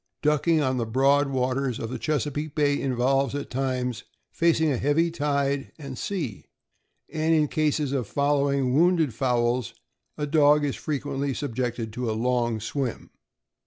Ducking on the broad waters of the Chesapeake Bay involves, at times, facing a heavy tide and sea; and in cases of following wounded fowls, a dog is fre quently subjected to a long swim.